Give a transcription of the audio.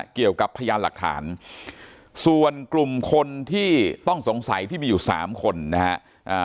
เกี่ยวกับพยานหลักฐานส่วนกลุ่มคนที่ต้องสงสัยที่มีอยู่สามคนนะฮะ